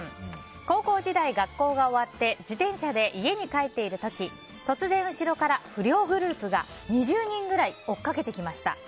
高校時代、学校が終わって自転車で家に帰っている時突然後ろから不良グループが２０人くらい追っかけてきました。